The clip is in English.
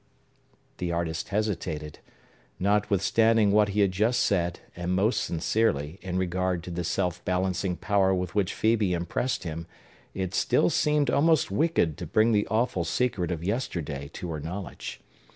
The artist hesitated. Notwithstanding what he had just said, and most sincerely, in regard to the self balancing power with which Phœbe impressed him, it still seemed almost wicked to bring the awful secret of yesterday to her knowledge.